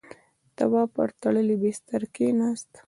تواب پر تړلی بسترې کېناست.